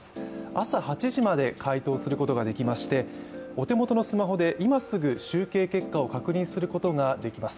朝８時まで回答することができましてお手元のスマホで今すぐ集計結果を確認することができます。